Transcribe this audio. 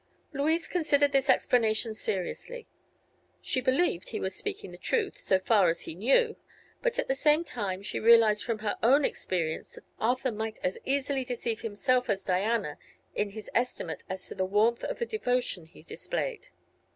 Louise considered this explanation seriously. She believed he was speaking the truth, so far as he knew. But at the same time she realized from her own experience that Arthur might as easily deceive himself as Diana in his estimate as to the warmth of the devotion he displayed.